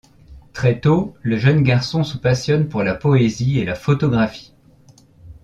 Très tôt, le jeune garçon se passionne pour la poésie et la photographie.